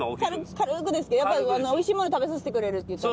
軽くですやっぱおいしいもの食べさせてくれるっていったんで。